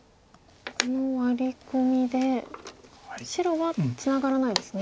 このワリコミで白はツナがらないですね。